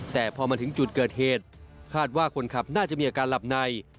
แต่พอมาถึงจุดเกิดเหตุคาดว่าคนขับน่าจะมีอาการหลับใน